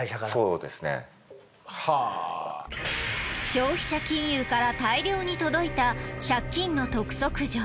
消費者金融から大量に届いた借金の督促状。